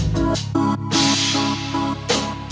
สวัสดีครับ